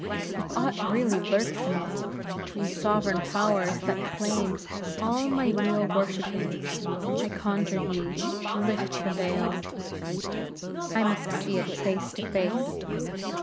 If aught really lurks in it, ye sovereign powers that claim all my leal worshipings, I conjure ye to lift the veil; I must see it face to face.